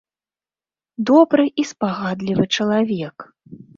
Добры і спагадлівы чалавек.